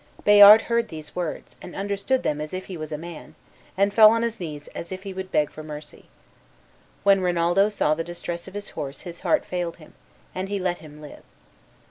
Bayard heard these words, and understood them as if he was a man, and fell on his knees, as if he would beg for mercy. When Rinaldo saw the distress of his horse his heart failed him, and he let him live.